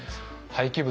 廃棄物。